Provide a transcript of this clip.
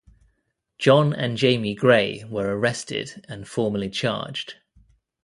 John and Jamie Gray were arrested and formally charged.